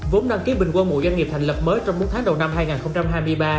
vốn đăng ký bình quân mỗi doanh nghiệp thành lập mới trong bốn tháng đầu năm hai nghìn hai mươi ba